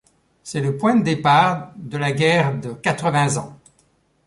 C'est le point de départ de la guerre de Quatre-Vingts Ans.